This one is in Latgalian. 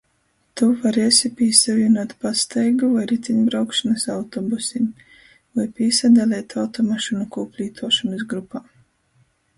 Tu variesi pīsavīnuot pastaigu voi ritiņbraukšonys "autobusim" voi pīsadaleit automašynu kūplītuošonys grupā.